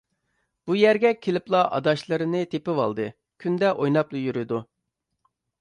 بۇ يەرگە كېلىپلا ئاداشلىرىنى تېپىۋالدى، كۈندە ئويناپلا يۈرىدۇ.